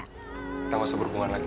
kita masih berhubungan lagi